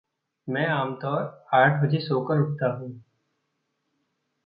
मैं आमतौर आठ बजे सोकर उठता हूँ।